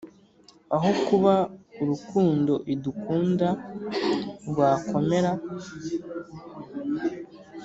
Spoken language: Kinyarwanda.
aho kuba urukundo idukunda rwakomera